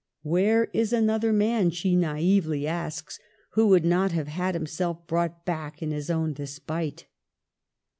" Where is another man," she natvely asks, " who would not have had himself brought back in his own despite